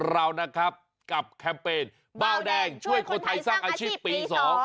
เรานะครับกับแคมเปญเบาแดงช่วยคนไทยสร้างอาชีพปีสอง